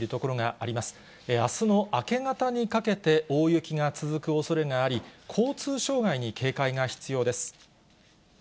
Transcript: あすの明け方にかけて大雪が続くおそれがあり、交通障害に警戒が必要です。